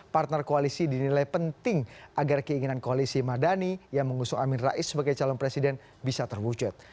partner koalisi dinilai penting agar keinginan koalisi madani yang mengusung amin rais sebagai calon presiden bisa terwujud